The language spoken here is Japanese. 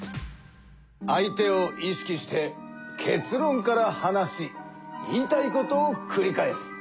相手を意識して結論から話し言いたいことをくり返す。